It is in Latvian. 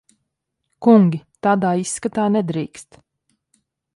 Kungi! Tādā izskatā nedrīkst.